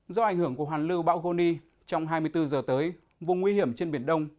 do ảnh hưởng của hoàn lưu bão goni trong hai mươi bốn giờ tới vùng nguy hiểm trên biển đông